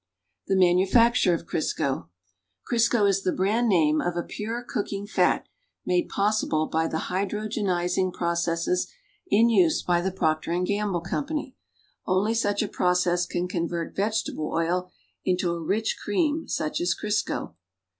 THE MANUFACTURE OF CRISCO Crisco is the brand name of a pure cooking fat made po.ssible by the hydrogenizing processes in use by The Procter & Gamble Company. Only such a process can convert vegetable oil into a rich cream such as Crisco.